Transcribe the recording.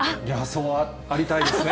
そうありたいですね。